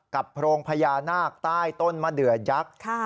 โพรงพญานาคใต้ต้นมะเดือยักษ์